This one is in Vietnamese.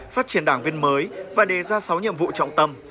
phát triển đảng viên mới và đề ra sáu nhiệm vụ trọng tâm